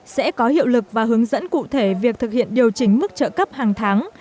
sẽ có hiệu lực và hướng dẫn cụ thể việc thực hiện điều chỉnh mức trợ cấp hàng tháng